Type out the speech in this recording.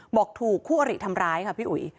บอกถูกคู่อริทำร้ายค่ะพี่อุ๋ย